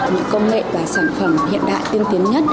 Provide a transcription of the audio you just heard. những công nghệ và sản phẩm hiện đại tiên tiến nhất